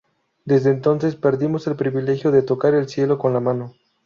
Desde entonces perdimos el privilegio de "tocar el cielo con la mano".